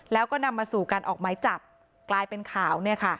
แล้วก็นำมาสู่การออกไม้จับกลายเป็นข่าว